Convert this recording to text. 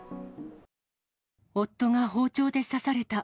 夫が包丁で刺された。